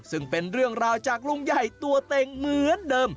ซึ่งเป็นเรื่องราวจากลุงใหญ่ตัวเต็งเหมือนเดิม